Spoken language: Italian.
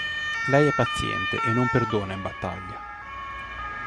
Lei è paziente e non perdona in battaglia.